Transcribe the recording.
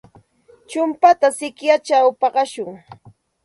Chumpata sikyachaw paqashun.